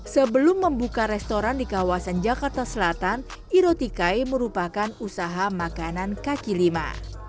sebelum membuka restoran di kawasan jakarta selatan irotikai merupakan usaha makanan kaki lima